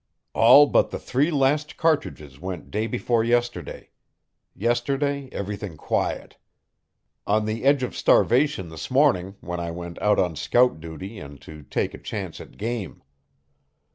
All but the three last cartridges went day before yesterday. Yesterday everything quiet. On the edge of starvation this morning when I went out on scout duty and to take a chance at game.